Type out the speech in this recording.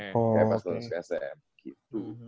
kayak mas lerus sm gitu